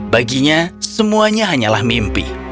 baginya semuanya hanyalah mimpi